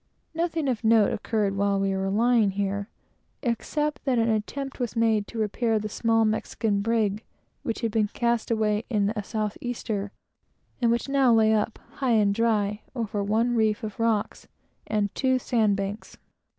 Nothing of note occurred while we were lying here, except that an attempt was made to repair the small Mexican brig which had been cast away in a south easter, and which now lay up, high and dry, over one reef of rocks and two sand banks.